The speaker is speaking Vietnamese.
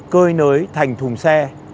cơi nới thành thùng xe